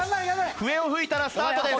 笛を吹いたらスタートです。